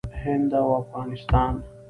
هند او افغانستان